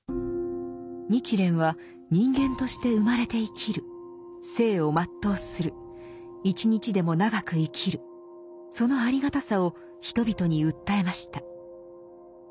日蓮は人間として生まれて生きる生を全うする一日でも長く生きるそのありがたさを人々に訴えました。